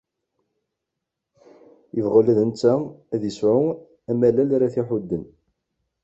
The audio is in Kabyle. Ibɣa ula d netta ad isɛu amalal ara t-iḥudden.